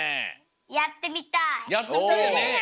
やってみたいよね。